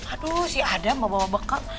aduh si adam bawa bawa bekal